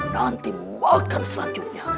nanti makan selanjutnya